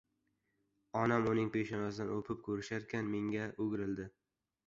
Onam uning peshonasidan o‘pib ko‘risharkan, menga o‘girildi: